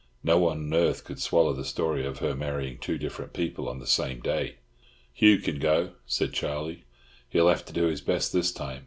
No one on earth could swallow the story of her marrying two different people on the same day." "Hugh can go," said Charlie. "He'll have to do his best this time.